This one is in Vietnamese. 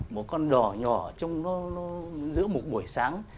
một con đỏ nhỏ trong nó giữa một buổi sáng